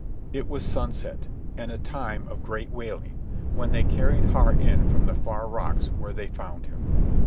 It was sunset, and a time of great wailing, when they carried Har in from the far rocks where they found him.